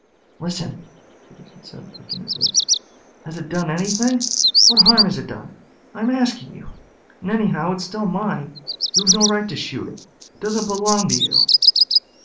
"Listen," Peterson said, licking his lips. "Has it done anything? What harm has it done? I'm asking you. And anyhow, it's still mine. You have no right to shoot it. It doesn't belong to you."